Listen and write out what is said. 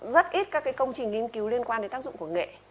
rất ít các công trình nghiên cứu liên quan đến tác dụng của nghệ